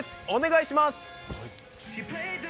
お願いします。